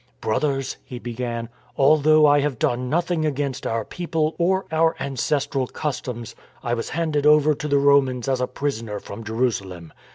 " Brothers," he began, " although I have done nothing against our people or our ancestral customs, I was handed over to the Romans as a prisoner from Jerusalem.